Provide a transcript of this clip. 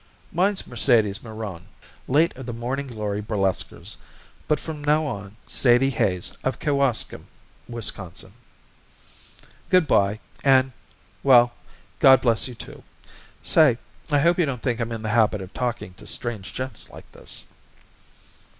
"Mine's Mercedes Meron, late of the Morning Glory Burlesquers, but from now on Sadie Hayes, of Kewaskum, Wisconsin. Good bye and well God bless you, too. Say, I hope you don't think I'm in the habit of talking to strange gents like this."